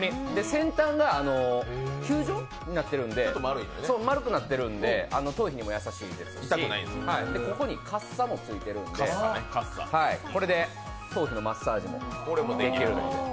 先端が球状になってるんで、丸くなってるんで頭皮にも優しいですし、ここにカッサもついてるんで、これで頭皮のマッサージもできると。